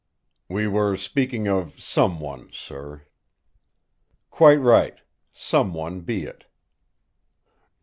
"We were speaking of 'someone,' sir." "Quite right. Someone, be it!"